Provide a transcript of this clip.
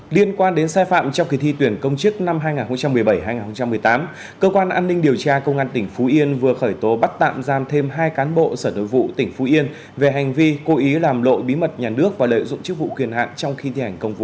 liên quan đến sai phạm trong kỳ thi tuyển công chức năm hai nghìn một mươi bảy hai nghìn một mươi tám cơ quan an ninh điều tra công an tỉnh phú yên vừa khởi tố bắt tạm giam thêm hai cán bộ sở nội vụ tỉnh phú yên về hành vi cố ý làm lộ bí mật nhà nước và lợi dụng chức vụ quyền hạn trong khi thi hành công vụ